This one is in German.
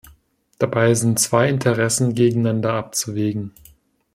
Dabei sind zwei Interessen gegeneinander abzuwägen.